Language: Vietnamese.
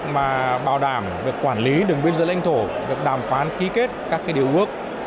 mà bảo đảm việc quản lý đường biên giới lãnh thổ được đàm phán ký kết các điều ước